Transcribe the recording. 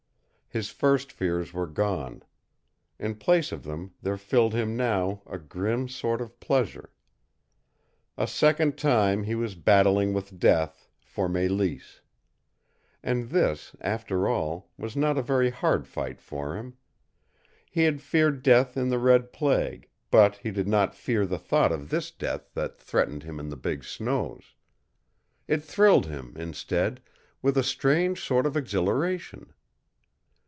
His first fears were gone. In place of them, there filled him now a grim sort of pleasure. A second time he was battling with death for Mélisse. And this, after all, was not a very hard fight for him. He had feared death in the red plague, but he did not fear the thought of this death that threatened him in the big snows. It thrilled him, instead, with a strange sort of exhilaration.